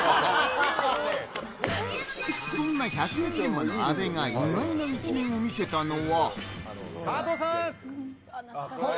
そんな阿部が意外な一面を見せたのは。